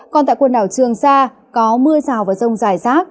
còn tại quần đảo trường sa có mưa rào và rông dài rác